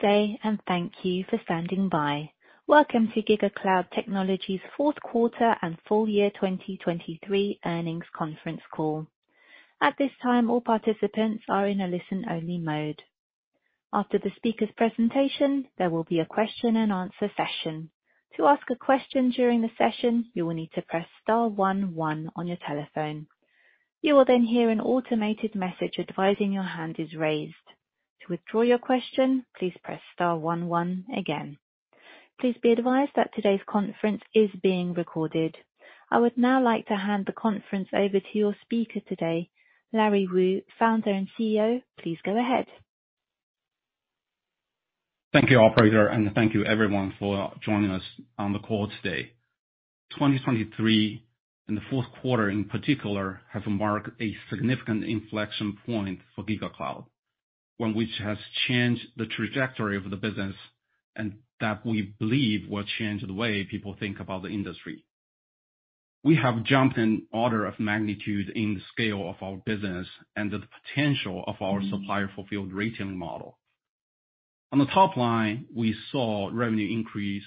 Good day and thank you for standing by. Welcome to GigaCloud Technology's fourth quarter and full year 2023 earnings conference call. At this time, all participants are in a listen-only mode. After the speaker's presentation, there will be a question-and-answer session. To ask a question during the session, you will need to press star 11 on your telephone. You will then hear an automated message advising your hand is raised. To withdraw your question, please press star 11 again. Please be advised that today's conference is being recorded. I would now like to hand the conference over to your speaker today, Larry Wu, Founder and CEO. Please go ahead. Thank you, operator, and thank you, everyone, for joining us on the call today. 2023, and the fourth quarter in particular, have marked a significant inflection point for GigaCloud, which has changed the trajectory of the business and that we believe will change the way people think about the industry. We have jumped in order of magnitude in the scale of our business and the potential of our Supplier Fulfilled Retailing model. On the top line, we saw revenue increase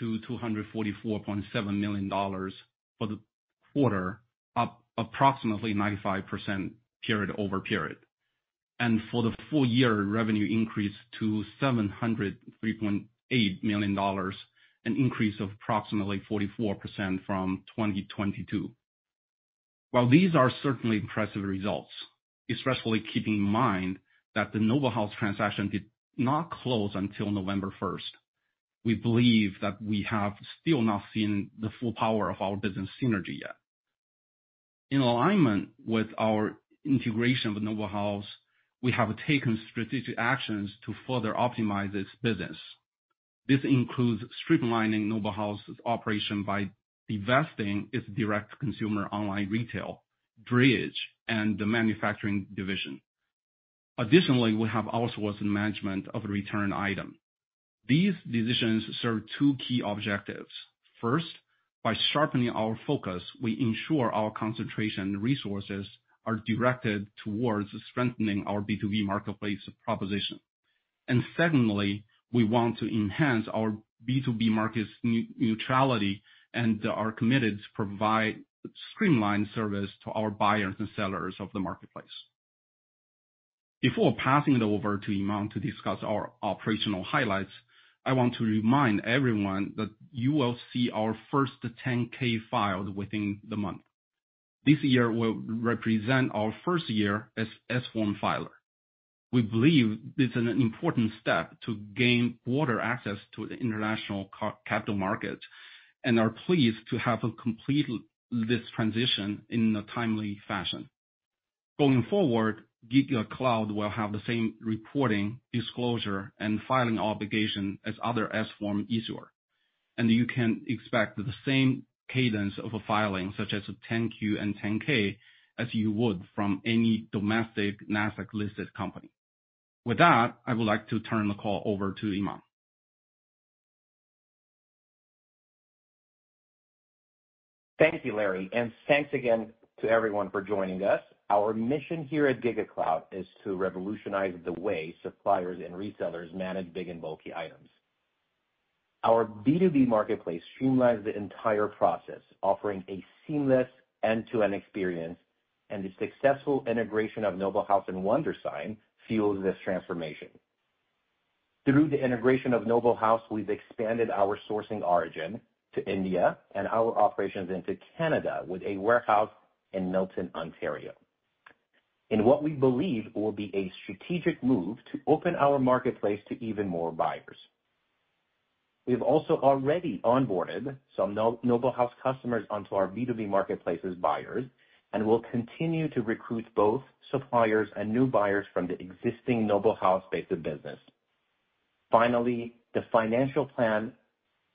to $244.7 million for the quarter, up approximately 95% period over period, and for the full year, revenue increased to $703.8 million, an increase of approximately 44% from 2022. Well, these are certainly impressive results, especially keeping in mind that the Noble House transaction did not close until November 1st. We believe that we have still not seen the full power of our business synergy yet. In alignment with our integration with Noble House, we have taken strategic actions to further optimize its business. This includes streamlining Noble House's operation by divesting its direct consumer online retail, DRIDGE, and the manufacturing division. Additionally, we have outsourced management of a return item. These decisions serve two key objectives. First, by sharpening our focus, we ensure our concentration resources are directed towards strengthening our B2B marketplace proposition. And secondly, we want to enhance our B2B market's neutrality and are committed to provide streamlined service to our buyers and sellers of the marketplace. Before passing it over to Iman to discuss our operational highlights, I want to remind everyone that you will see our first 10-K filed within the month. This year will represent our first year as S-form filer. We believe this is an important step to gain broader access to the international capital market and are pleased to have completed this transition in a timely fashion. Going forward, GigaCloud will have the same reporting, disclosure, and filing obligation as other S-form filer, and you can expect the same cadence of filing such as a 10-Q and 10-K as you would from any domestic Nasdaq-listed company. With that, I would like to turn the call over to Iman. Thank you, Larry, and thanks again to everyone for joining us. Our mission here at GigaCloud is to revolutionize the way suppliers and resellers manage big and bulky items. Our B2B marketplace streamlines the entire process, offering a seamless end-to-end experience, and the successful integration of Noble House and Wondersign fuels this transformation. Through the integration of Noble House, we've expanded our sourcing origin to India and our operations into Canada with a warehouse in Milton, Ontario, in what we believe will be a strategic move to open our marketplace to even more buyers. We have also already onboarded some Noble House customers onto our B2B marketplace's buyers and will continue to recruit both suppliers and new buyers from the existing Noble House base of business. Finally, the financial plan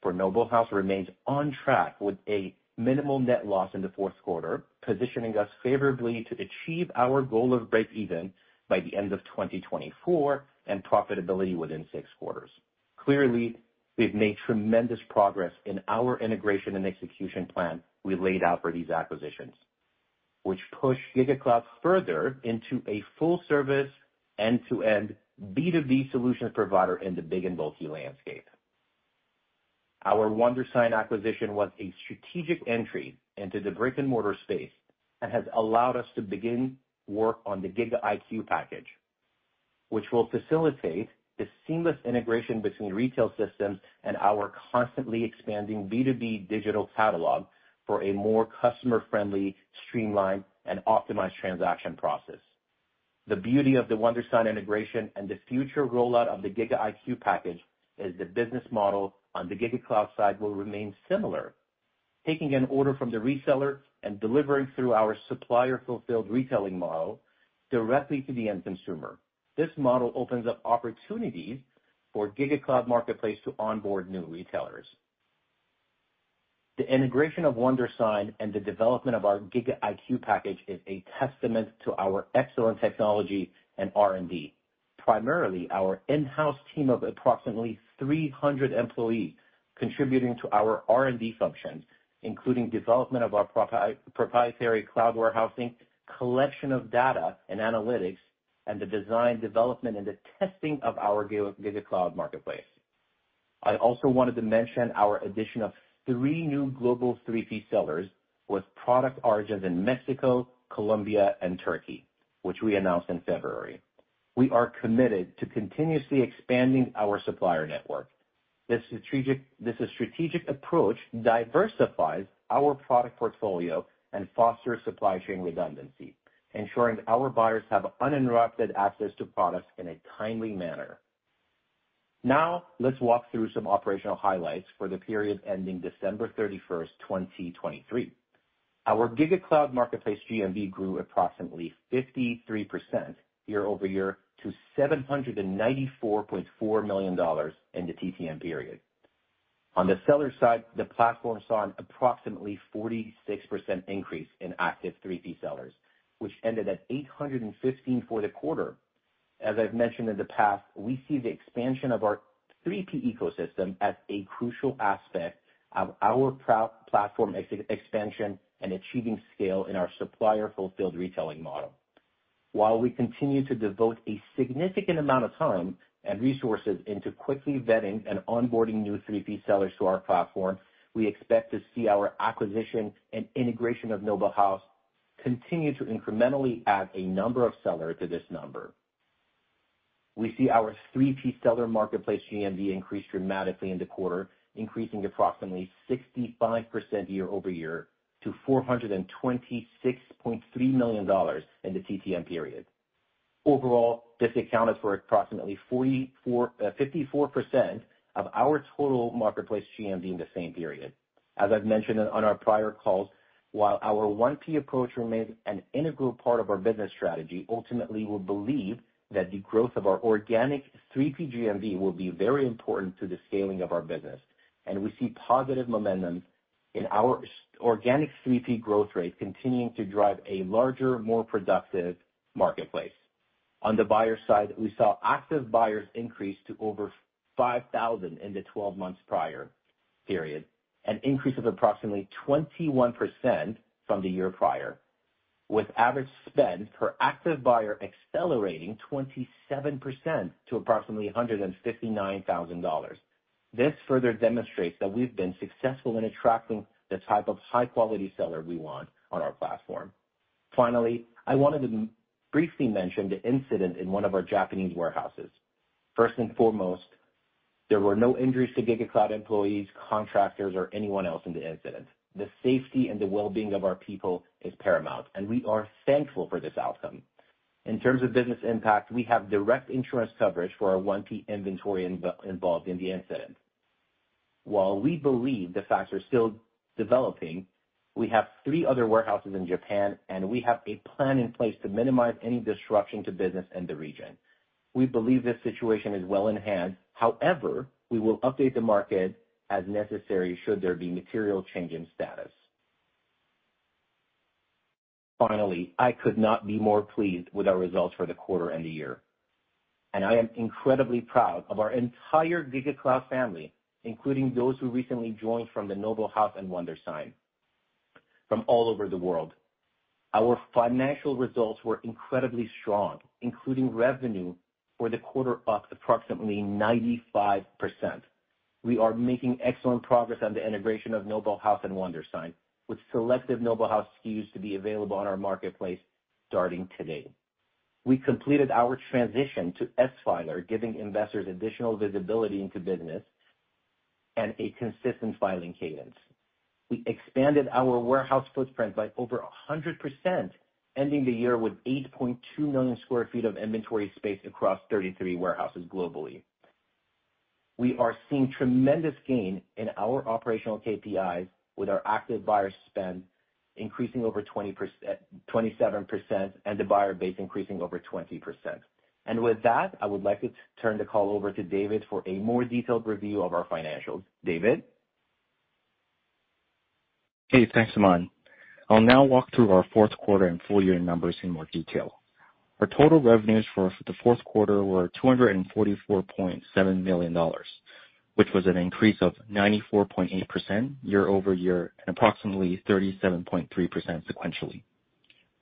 for Noble House remains on track with a minimal net loss in the fourth quarter, positioning us favorably to achieve our goal of break-even by the end of 2024 and profitability within six quarters. Clearly, we've made tremendous progress in our integration and execution plan we laid out for these acquisitions, which push GigaCloud further into a full-service, end-to-end B2B solution provider in the big and bulky landscape. Our Wondersign acquisition was a strategic entry into the brick-and-mortar space and has allowed us to begin work on the GigaIQ package, which will facilitate the seamless integration between retail systems and our constantly expanding B2B digital catalog for a more customer-friendly, streamlined, and optimized transaction process. The beauty of the Wondersign integration and the future rollout of the GigaIQ package is the business model on the GigaCloud side will remain similar, taking an order from the reseller and delivering through our Supplier Fulfilled Retailing model directly to the end consumer. This model opens up opportunities for GigaCloud Marketplace to onboard new retailers. The integration of Wondersign and the development of our GigaIQ package is a testament to our excellent technology and R&D, primarily our in-house team of approximately 300 employees contributing to our R&D functions, including development of our proprietary cloud warehousing, collection of data and analytics, and the design, development, and the testing of our GigaCloud Marketplace. I also wanted to mention our addition of 3 new global 3P sellers with product origins in Mexico, Colombia, and Turkey, which we announced in February. We are committed to continuously expanding our supplier network. This strategic approach diversifies our product portfolio and fosters supply chain redundancy, ensuring our buyers have uninterrupted access to products in a timely manner. Now, let's walk through some operational highlights for the period ending December 31st, 2023. Our GigaCloud Marketplace GMV grew approximately 53% year-over-year to $794.4 million in the TTM period. On the seller side, the platform saw an approximately 46% increase in active 3P sellers, which ended at 815 for the quarter. As I've mentioned in the past, we see the expansion of our 3P ecosystem as a crucial aspect of our platform expansion and achieving scale in our Supplier Fulfilled Retailing model. While we continue to devote a significant amount of time and resources into quickly vetting and onboarding new 3P sellers to our platform, we expect to see our acquisition and integration of Noble House continue to incrementally add a number of sellers to this number. We see our 3P seller marketplace GMV increase dramatically in the quarter, increasing approximately 65% year-over-year to $426.3 million in the TTM period. Overall, this accounted for approximately 54% of our total marketplace GMV in the same period. As I've mentioned on our prior calls, while our 1P approach remains an integral part of our business strategy, ultimately we believe that the growth of our organic 3P GMV will be very important to the scaling of our business. And we see positive momentum in our organic 3P growth rate continuing to drive a larger, more productive marketplace. On the buyer side, we saw active buyers increase to over 5,000 in the 12 months prior period, an increase of approximately 21% from the year prior, with average spend per active buyer accelerating 27% to approximately $159,000. This further demonstrates that we've been successful in attracting the type of high-quality seller we want on our platform. Finally, I wanted to briefly mention the incident in one of our Japanese warehouses. First and foremost, there were no injuries to GigaCloud employees, contractors, or anyone else in the incident. The safety and the well-being of our people is paramount, and we are thankful for this outcome. In terms of business impact, we have direct insurance coverage for our 1P inventory involved in the incident. While we believe the facts are still developing, we have 3 other warehouses in Japan, and we have a plan in place to minimize any disruption to business in the region. We believe this situation is well enhanced. However, we will update the market as necessary should there be material change in status. Finally, I could not be more pleased with our results for the quarter and the year. I am incredibly proud of our entire GigaCloud family, including those who recently joined from the Noble House and Wondersign from all over the world. Our financial results were incredibly strong, including revenue for the quarter up approximately 95%. We are making excellent progress on the integration of Noble House and Wondersign with selective Noble House SKUs to be available on our marketplace starting today. We completed our transition to S-filer, giving investors additional visibility into business and a consistent filing cadence. We expanded our warehouse footprint by over 100%, ending the year with 8.2 million sq ft of inventory space across 33 warehouses globally. We are seeing tremendous gain in our operational KPIs with our active buyer spend increasing over 27% and the buyer base increasing over 20%. And with that, I would like to turn the call over to David for a more detailed review of our financials. David? Hey, thanks, Iman. I'll now walk through our fourth quarter and full year numbers in more detail. Our total revenues for the fourth quarter were $244.7 million, which was an increase of 94.8% year-over-year and approximately 37.3% sequentially.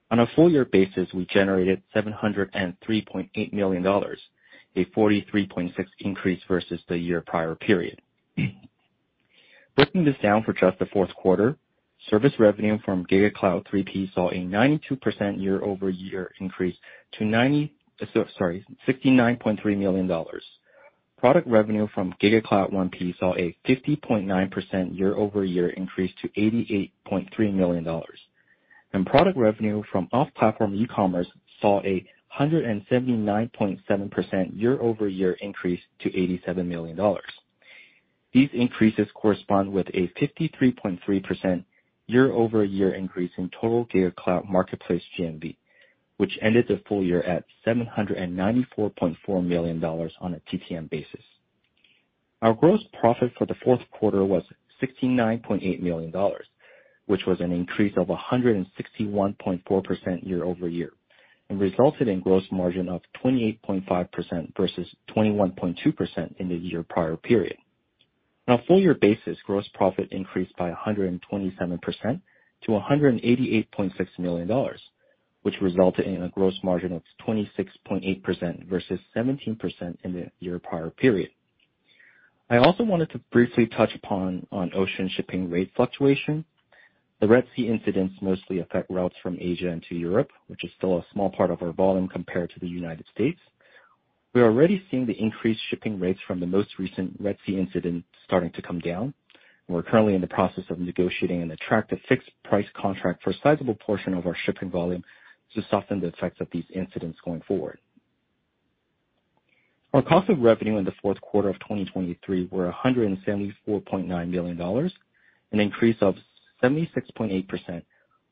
On a full year basis, we generated $703.8 million, a 43.6% increase versus the year prior period. Breaking this down for just the fourth quarter, service revenue from GigaCloud 3P saw a 92% year-over-year increase to $69.3 million. Product revenue from GigaCloud 1P saw a 50.9% year-over-year increase to $88.3 million. Product revenue from off-platform e-commerce saw a 179.7% year-over-year increase to $87 million. These increases correspond with a 53.3% year-over-year increase in total GigaCloud Marketplace GMV, which ended the full year at $794.4 million on a TTM basis. Our gross profit for the fourth quarter was $69.8 million, which was an increase of 161.4% year-over-year and resulted in gross margin of 28.5% versus 21.2% in the year prior period. On a full year basis, gross profit increased by 127% to $188.6 million, which resulted in a gross margin of 26.8% versus 17% in the year prior period. I also wanted to briefly touch upon ocean shipping rate fluctuation. The Red Sea incidents mostly affect routes from Asia into Europe, which is still a small part of our volume compared to the United States. We are already seeing the increased shipping rates from the most recent Red Sea incident starting to come down. We're currently in the process of negotiating and attract a fixed price contract for a sizable portion of our shipping volume to soften the effects of these incidents going forward. Our cost of revenue in the fourth quarter of 2023 were $174.9 million, an increase of 76.8%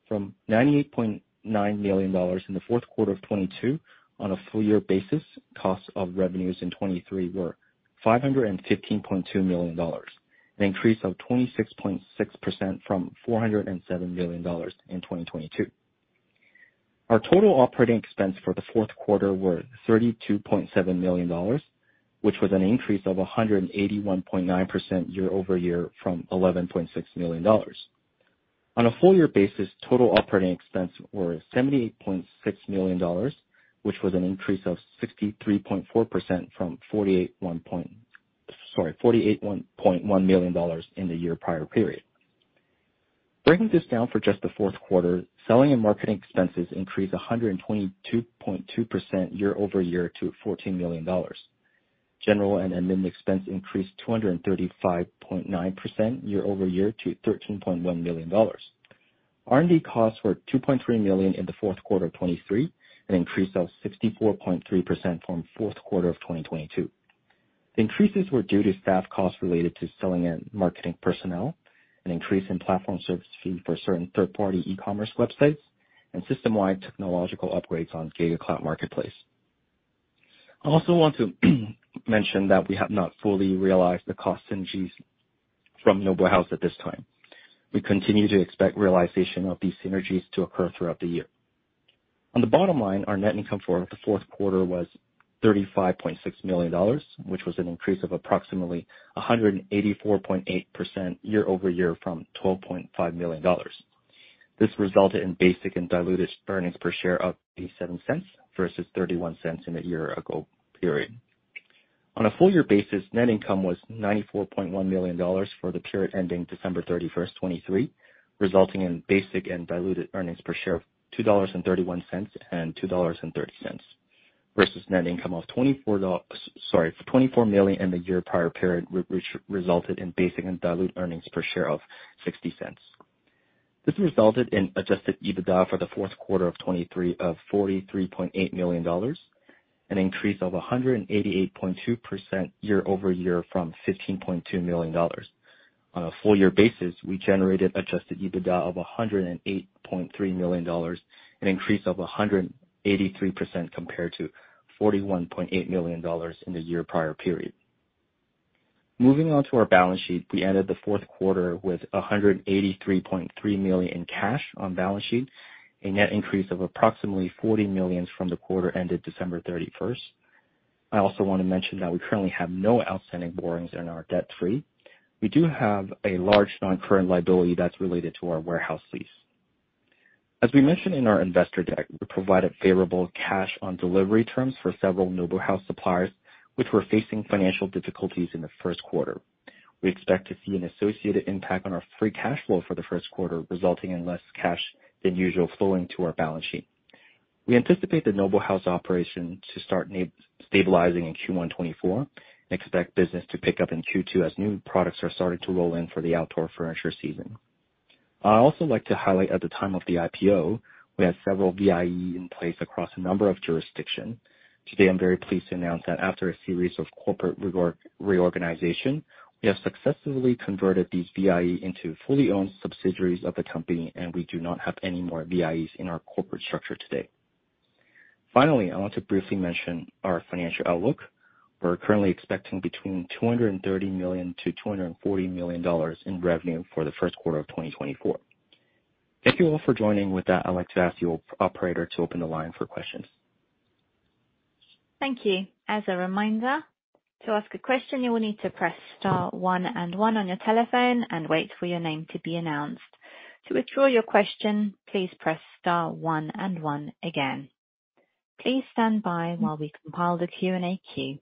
from $98.9 million in the fourth quarter of 2022. On a full year basis, costs of revenues in 2023 were $515.2 million, an increase of 26.6% from $407 million in 2022. Our total operating expense for the fourth quarter were $32.7 million, which was an increase of 181.9% year over year from $11.6 million. On a full year basis, total operating expense were $78.6 million, which was an increase of 63.4% from $48.1 million in the year prior period. Breaking this down for just the fourth quarter, selling and marketing expenses increased 122.2% year over year to $14 million. General and admin expense increased 235.9% year over year to $13.1 million. R&D costs were $2.3 million in the fourth quarter of 2023, an increase of 64.3% from fourth quarter of 2022. The increases were due to staff costs related to selling and marketing personnel, an increase in platform service fee for certain third-party e-commerce websites, and system-wide technological upgrades on GigaCloud Marketplace. I also want to mention that we have not fully realized the cost synergies from Noble House at this time. We continue to expect realization of these synergies to occur throughout the year. On the bottom line, our net income for the fourth quarter was $35.6 million, which was an increase of approximately 184.8% year-over-year from $12.5 million. This resulted in basic and diluted earnings per share of $0.87 versus $0.31 in the year ago period. On a full year basis, net income was $94.1 million for the period ending December 31, 2023, resulting in basic and diluted earnings per share of $2.31 and $2.30 versus net income of $24 million in the year prior period, which resulted in basic and diluted earnings per share of $0.60. This resulted in adjusted EBITDA for the fourth quarter of 2023 of $43.8 million, an increase of 188.2% year-over-year from $15.2 million. On a full year basis, we generated adjusted EBITDA of $108.3 million, an increase of 183% compared to $41.8 million in the year prior period. Moving on to our balance sheet, we ended the fourth quarter with $183.3 million in cash on balance sheet, a net increase of approximately $40 million from the quarter ended December 31. I also want to mention that we currently have no outstanding borrowings and are debt-free. We do have a large non-current liability that's related to our warehouse lease. As we mentioned in our investor deck, we provided favorable cash on delivery terms for several Noble House suppliers, which were facing financial difficulties in the first quarter. We expect to see an associated impact on our free cash flow for the first quarter, resulting in less cash than usual flowing to our balance sheet. We anticipate the Noble House operation to start stabilizing in Q1 2024 and expect business to pick up in Q2 as new products are starting to roll in for the outdoor furniture season. I also like to highlight at the time of the IPO, we had several VIE in place across a number of jurisdictions. Today, I'm very pleased to announce that after a series of corporate reorganization, we have successfully converted these VIE into fully owned subsidiaries of the company, and we do not have any more VIEs in our corporate structure today. Finally, I want to briefly mention our financial outlook. We're currently expecting between $230 million-$240 million in revenue for the first quarter of 2024. Thank you all for joining with that. I'd like to ask your operator to open the line for questions. Thank you. As a reminder, to ask a question, you will need to press star one and one on your telephone and wait for your name to be announced. To withdraw your question, please press star one and one again. Please stand by while we compile the Q&A queue.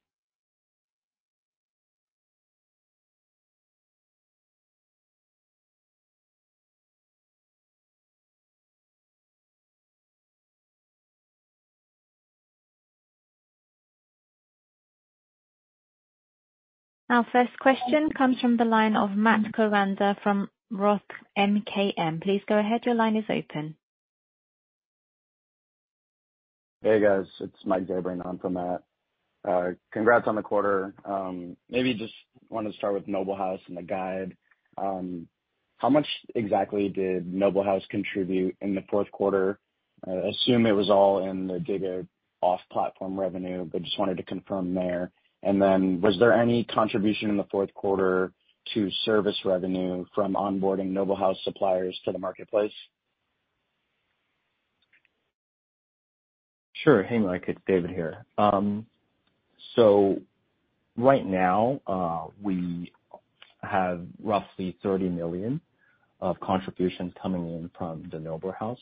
Our first question comes from the line of Matt Koranda from Roth MKM. Please go ahead. Your line is open. Hey, guys. It's Mike Zabran. I'm from Matt. Congrats on the quarter. Maybe just wanted to start with Noble House and the guide. How much exactly did Noble House contribute in the fourth quarter? I assume it was all in the Giga off-platform revenue, but just wanted to confirm there. And then was there any contribution in the fourth quarter to service revenue from onboarding Noble House suppliers to the marketplace? Sure. Hey, Mike. It's David here. So right now, we have roughly $30 million of contributions coming in from the Noble House.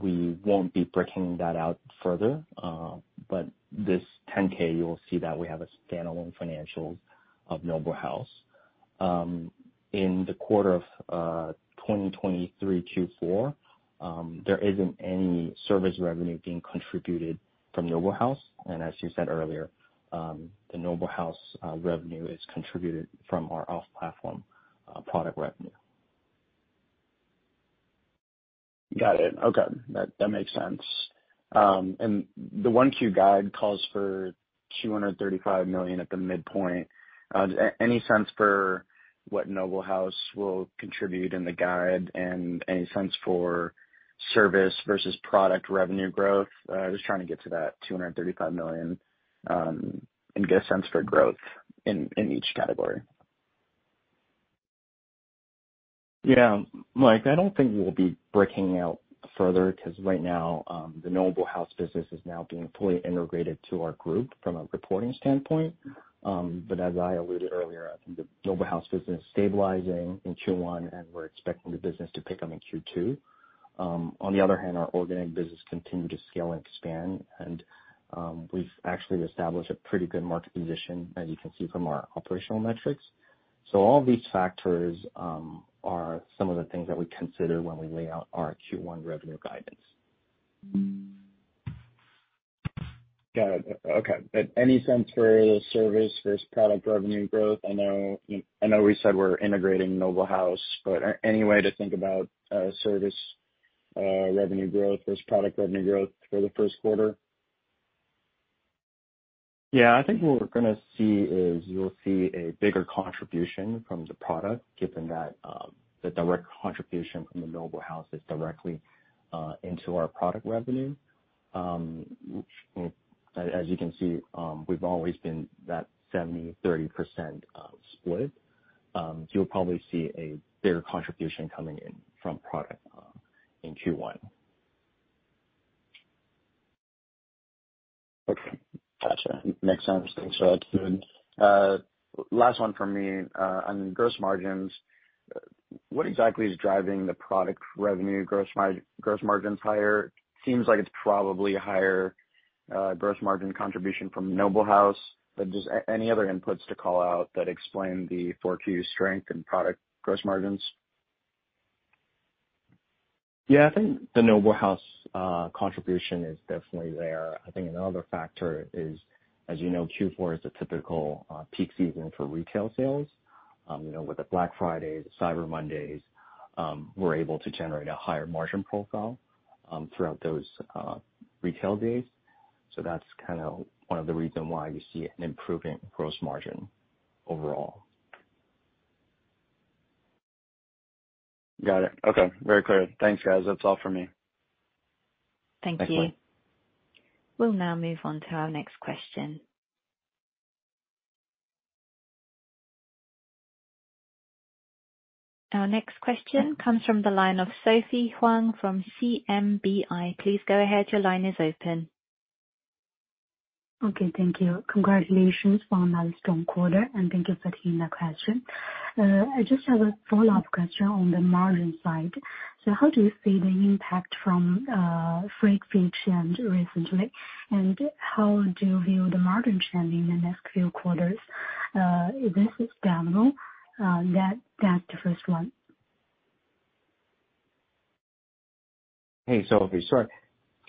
We won't be breaking that out further, but this 10-K, you will see that we have a standalone financials of Noble House. In the quarter of Q4 2023, there isn't any service revenue being contributed from Noble House. And as you said earlier, the Noble House revenue is contributed from our off-platform product revenue. Got it. Okay. That makes sense. And the 1Q guide calls for $235 million at the midpoint. Any sense for what Noble House will contribute in the guide, and any sense for service versus product revenue growth? Just trying to get to that $235 million and get a sense for growth in each category. Yeah. Mike, I don't think we'll be breaking out further because right now, the Noble House business is now being fully integrated to our group from a reporting standpoint. But as I alluded earlier, I think the Noble House business is stabilizing in Q1, and we're expecting the business to pick up in Q2. On the other hand, our organic business continued to scale and expand, and we've actually established a pretty good market position, as you can see from our operational metrics. So all of these factors are some of the things that we consider when we lay out our Q1 revenue guidance. Got it. Okay. Any sense for service versus product revenue growth? I know we said we're integrating Noble House, but any way to think about service revenue growth versus product revenue growth for the first quarter? Yeah. I think what we're going to see is you'll see a bigger contribution from the product, given that the direct contribution from the Noble House is directly into our product revenue. As you can see, we've always been that 70%-30% split. You'll probably see a bigger contribution coming in from product in Q1. Okay. Gotcha. Makes sense. Thanks for that, David. Last one from me on gross margins. What exactly is driving the product revenue gross margins higher? It seems like it's probably higher gross margin contribution from Noble House, but just any other inputs to call out that explain the 4Q strength in product gross margins? Yeah. I think the Noble House contribution is definitely there. I think another factor is, as you know, Q4 is the typical peak season for retail sales. With the Black Fridays, Cyber Mondays, we're able to generate a higher margin profile throughout those retail days. So that's kind of one of the reasons why you see an improving gross margin overall. Got it. Okay. Very clear. Thanks, guys. That's all from me. Thank you. Thank you. We'll now move on to our next question. Our next question comes from the line of Sophie Huang from CMBI. Please go ahead. Your line is open. Okay. Thank you. Congratulations on a strong quarter, and thank you for taking the question. I just have a follow-up question on the margin side. So how do you see the impact from freight fee change recently, and how do you view the margin change in the next few quarters? Is this standalone? That's the first one. Hey, Sophie.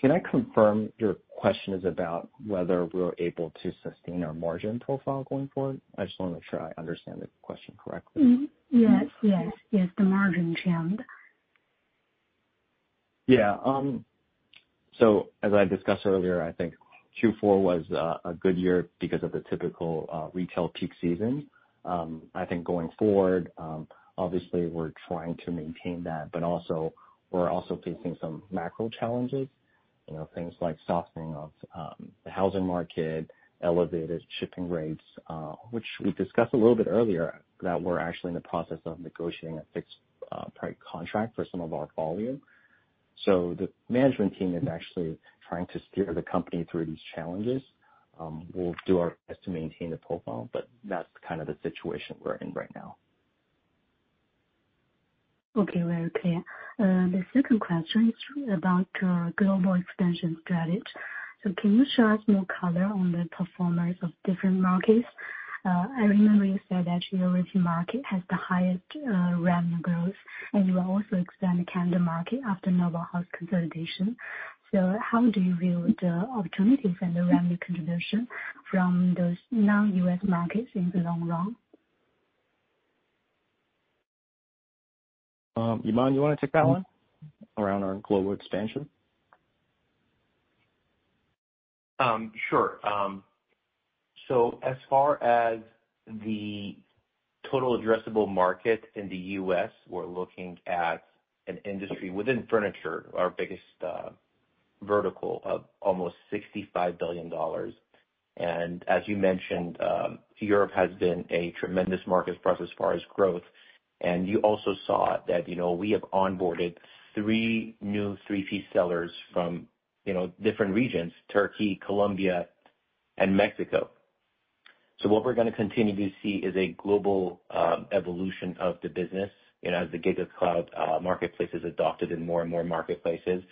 Sorry. Can I confirm your question is about whether we're able to sustain our margin profile going forward? I just want to make sure I understand the question correctly. Yes. Yes. Yes. The margin change. Yeah. So as I discussed earlier, I think Q4 was a good year because of the typical retail peak season. I think going forward, obviously, we're trying to maintain that, but we're also facing some macro challenges, things like softening of the housing market, elevated shipping rates, which we discussed a little bit earlier, that we're actually in the process of negotiating a fixed price contract for some of our volume. So the management team is actually trying to steer the company through these challenges. We'll do our best to maintain the profile, but that's kind of the situation we're in right now. Okay. Very clear. The second question is about your global expansion strategy. So can you show us more color on the performance of different markets? I remember you said that your European market has the highest revenue growth, and you will also expand the Canada market after Noble House consolidation. So how do you view the opportunities and the revenue contribution from those non-U.S. markets in the long run? Iman, you want to take that one around our global expansion? Sure. So as far as the total addressable market in the US, we're looking at an industry within furniture, our biggest vertical of almost $65 billion. And as you mentioned, Europe has been a tremendous market for us as far as growth. And you also saw that we have onboarded three new 3P sellers from different regions: Turkey, Colombia, and Mexico. So what we're going to continue to see is a global evolution of the business as the GigaCloud Marketplace is adopted in more and more marketplaces.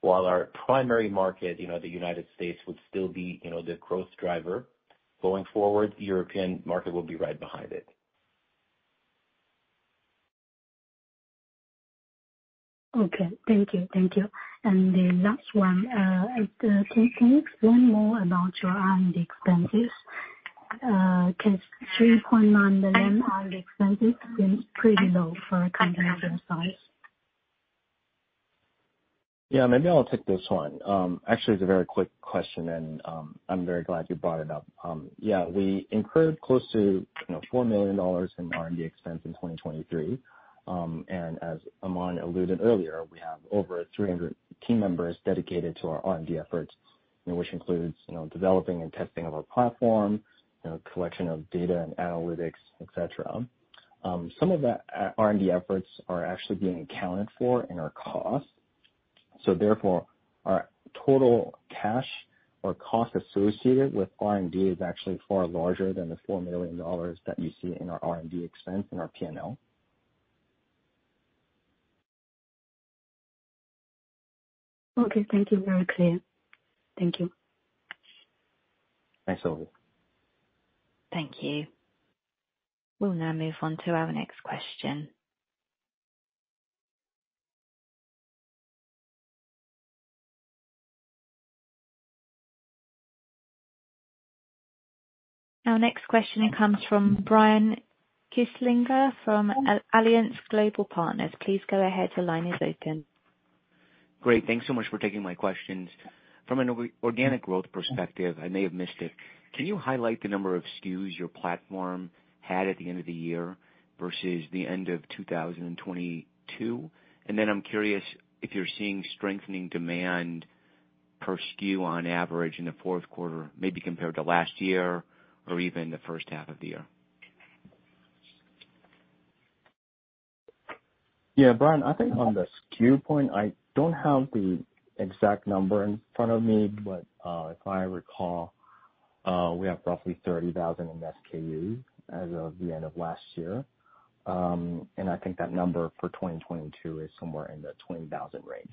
While our primary market, the United States, would still be the growth driver going forward, the European market will be right behind it. Okay. Thank you. Thank you. The last one, can you explain more about your R&D expenses? Because $3.9 million R&D expenses seems pretty low for a company of your size. Yeah. Maybe I'll take this one. Actually, it's a very quick question, and I'm very glad you brought it up. Yeah. We incurred close to $4 million in R&D expense in 2023. As Iman alluded earlier, we have over 300 team members dedicated to our R&D efforts, which includes developing and testing of our platform, collection of data and analytics, etc. Some of that R&D efforts are actually being accounted for in our cost. Therefore, our total cash or cost associated with R&D is actually far larger than the $4 million that you see in our R&D expense in our P&L. Okay. Thank you. Very clear. Thank you. Thanks, Sophie. Thank you. We'll now move on to our next question. Our next question comes from Brian Kinstlinger from Alliance Global Partners. Please go ahead. Your line is open. Great. Thanks so much for taking my questions. From an organic growth perspective, I may have missed it. Can you highlight the number of SKUs your platform had at the end of the year versus the end of 2022? And then I'm curious if you're seeing strengthening demand per SKU on average in the fourth quarter, maybe compared to last year or even the first half of the year. Yeah. Brian, I think on the SKU point, I don't have the exact number in front of me, but if I recall, we have roughly 30,000 in SKUs as of the end of last year. And I think that number for 2022 is somewhere in the 20,000 range.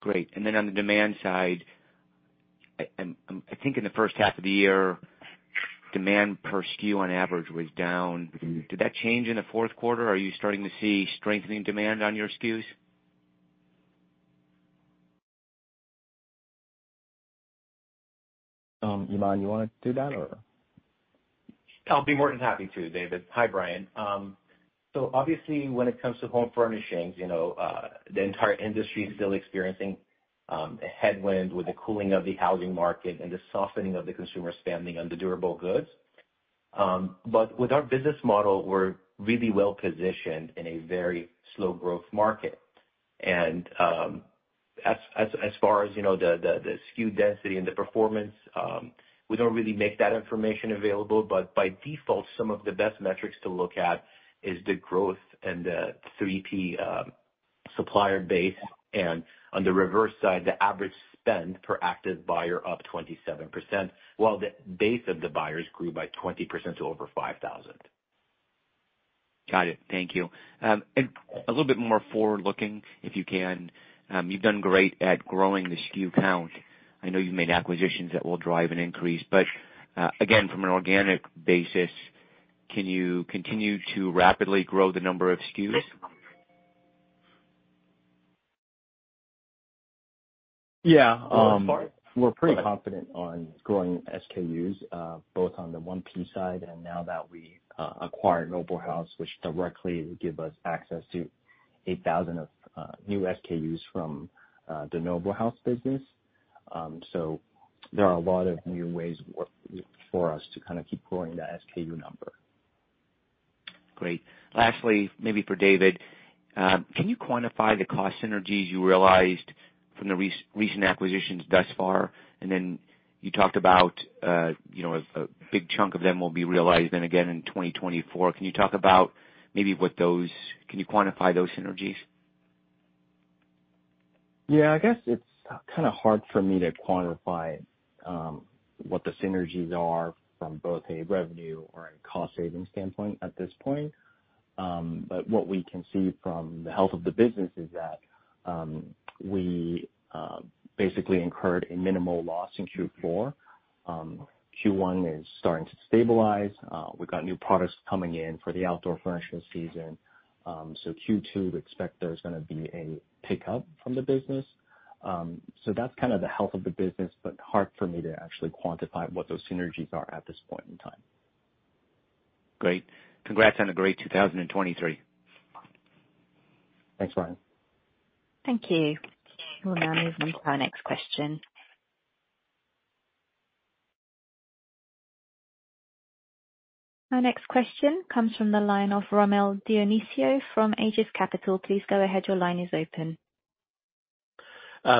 Great. Then on the demand side, I think in the first half of the year, demand per SKU on average was down. Did that change in the fourth quarter? Are you starting to see strengthening demand on your SKUs? Iman, you want to do that, or? I'll be more than happy to, David. Hi, Brian. So obviously, when it comes to home furnishings, the entire industry is still experiencing a headwind with the cooling of the housing market and the softening of the consumer spending on the durable goods. But with our business model, we're really well-positioned in a very slow-growth market. And as far as the SKU density and the performance, we don't really make that information available. But by default, some of the best metrics to look at is the growth and the 3P supplier base. And on the reverse side, the average spend per active buyer is up 27%, while the base of the buyers grew by 20% to over 5,000. Got it. Thank you. And a little bit more forward-looking, if you can, you've done great at growing the SKU count. I know you've made acquisitions that will drive an increase. But again, from an organic basis, can you continue to rapidly grow the number of SKUs? Yeah. We're pretty confident on growing SKUs, both on the 1P side and now that we acquired Noble House, which directly gives us access to 8,000 new SKUs from the Noble House business. So there are a lot of new ways for us to kind of keep growing that SKU number. Great. Lastly, maybe for David, can you quantify the cost synergies you realized from the recent acquisitions thus far? And then you talked about a big chunk of them will be realized then again in 2024. Can you talk about maybe what those can you quantify those synergies? Yeah. I guess it's kind of hard for me to quantify what the synergies are from both a revenue or a cost-saving standpoint at this point. But what we can see from the health of the business is that we basically incurred a minimal loss in Q4. Q1 is starting to stabilize. We've got new products coming in for the outdoor furniture season. So Q2, we expect there's going to be a pickup from the business. So that's kind of the health of the business, but hard for me to actually quantify what those synergies are at this point in time. Great. Congrats on a great 2023. Thanks, Brian. Thank you. We'll now move on to our next question. Our next question comes from the line of Rommel Dionisio from Aegis Capital. Please go ahead. Your line is open.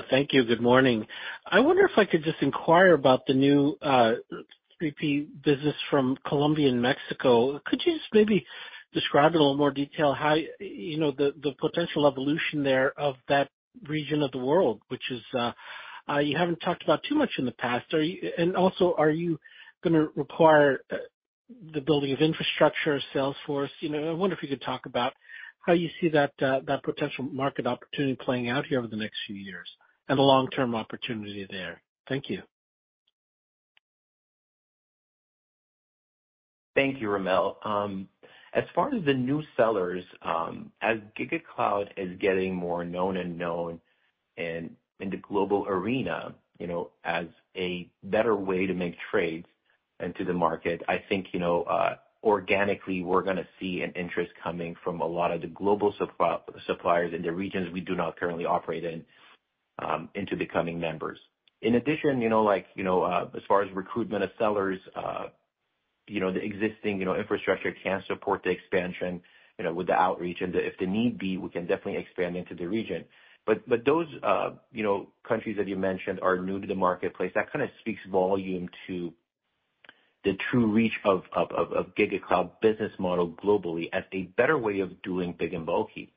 Thank you. Good morning. I wonder if I could just inquire about the new 3P business from Colombia and Mexico. Could you just maybe describe in a little more detail the potential evolution there of that region of the world, which you haven't talked about too much in the past? And also, are you going to require the building of infrastructure, Salesforce? I wonder if you could talk about how you see that potential market opportunity playing out here over the next few years and the long-term opportunity there. Thank you. Thank you, Rommel. As far as the new sellers, as GigaCloud is getting more known and known in the global arena as a better way to make trades into the market, I think organically, we're going to see an interest coming from a lot of the global suppliers in the regions we do not currently operate in into becoming members. In addition, as far as recruitment of sellers, the existing infrastructure can support the expansion with the outreach. And if the need be, we can definitely expand into the region. But those countries that you mentioned are new to the marketplace. That kind of speaks volumes to the true reach of GigaCloud business model globally as a better way of doing big and bulky.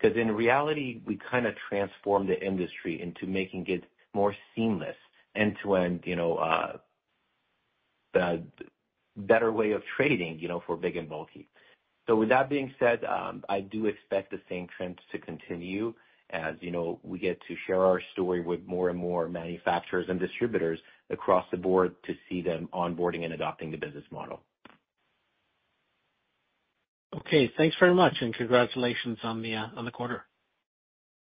Because in reality, we kind of transform the industry into making it more seamless end-to-end, better way of trading for big and bulky. With that being said, I do expect the same trends to continue as we get to share our story with more and more manufacturers and distributors across the board to see them onboarding and adopting the business model. Okay. Thanks very much, and congratulations on the quarter.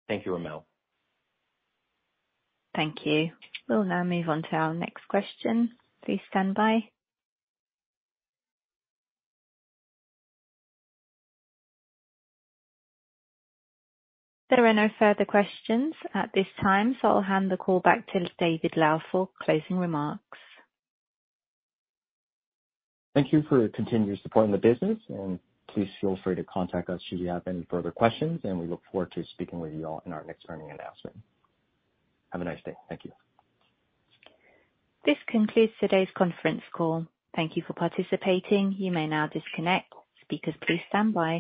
Thank you, Rommel. Thank you. We'll now move on to our next question. Please stand by. There are no further questions at this time, so I'll hand the call back to David Lau for closing remarks. Thank you for continuing to support the business, and please feel free to contact us should you have any further questions. We look forward to speaking with you all in our next earnings announcement. Have a nice day. Thank you. This concludes today's conference call. Thank you for participating. You may now disconnect. Speakers, please stand by.